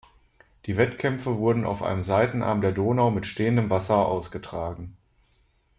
Die Wettkämpfe wurden auf einem Seitenarm der Donau mit stehendem Wasser ausgetragen.